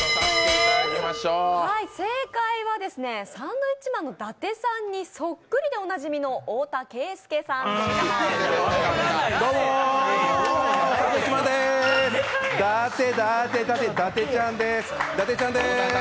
正解はサンドイッチマンの伊達さんにそっくりでおなじみの太田圭亮さんでした。